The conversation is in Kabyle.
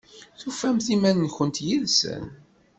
Tufamt iman-nkent yid-sen?